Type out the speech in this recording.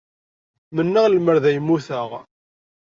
Mennaɣ lemmer d ay mmuteɣ.